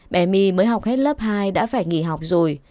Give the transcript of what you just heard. bé my mới học hết lớp hai đã phải nghỉ học rồi